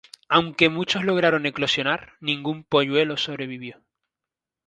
Aunque muchos lograron eclosionar, ningún polluelo sobrevivió.